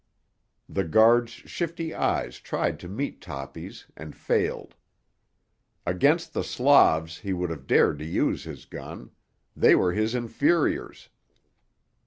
The guard's shifty eyes tried to meet Toppy's and failed. Against the Slavs he would have dared to use his gun; they were his inferiors.